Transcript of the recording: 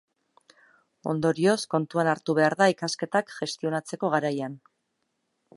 Ondorioz, kontuan hartu behar da ikasketak gestionatzeko garaian.